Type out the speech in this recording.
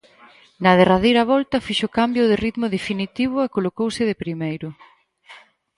Na derradeira volta fixo o cambio de ritmo definitivo e colocouse de primeiro.